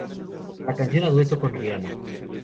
La canción, a dueto con Rihanna.